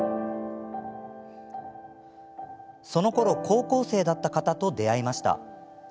そのころ、高校生だった方と出会いました。